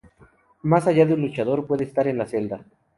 Más de un luchador puede estar en la celda.